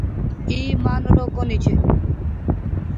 اي مآن رو ڪونيٚ ڇي۔